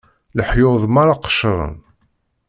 Leḥyuḍ merra qecren.